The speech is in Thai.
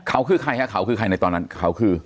เขาคือใครฮะเขาคือใครในตอนนั้นเขาคือ